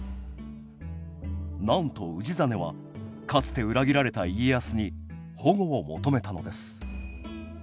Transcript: なんと氏真はかつて裏切られた家康に保護を求めたのです